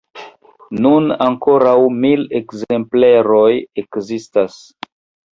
Nun ankoraŭ mil ekzempleroj ekzistas.